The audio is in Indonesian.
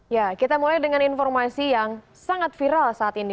ya kita mulai dengan informasi yang sangat viral saat ini